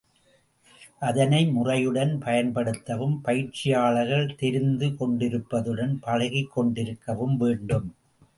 அதனை முறையுடன் பயன்படுத்தவும் பயிற்சியாளர்கள் தெரிந்து கொண்டிருப்பதுடன், பழகிக் கொண்டிருக்கவும் வேண்டும்.